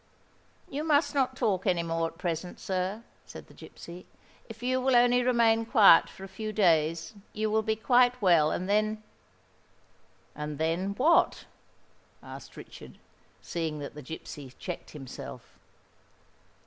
"You must not talk any more at present, sir," said the gipsy. "If you will only remain quiet for a few days, you will be quite well; and then—" "And then, what?" asked Richard, seeing that the gipsy checked himself.